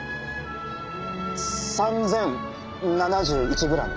３０７１グラム。